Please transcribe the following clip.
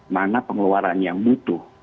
mana pengeluaran yang butuh